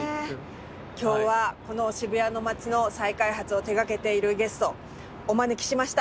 今日はこの渋谷の街の再開発を手がけているゲストお招きしました。